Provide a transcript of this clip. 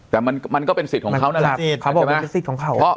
แต่มันก็เป็นสิทธิ์ของเขานั่นแหละสิทธิ์เขาบอกมันเป็นสิทธิ์ของเขา